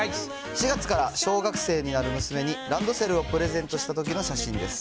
４月から小学生になる娘にランドセルをプレゼントしたときの写真です。